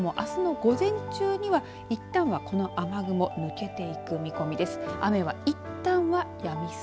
東日本や北日本もあすの午前中にはいったんは、この雨雲抜けていく見込みです。